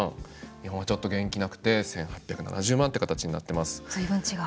日本はちょっと元気なくて１８７０万って形になってます。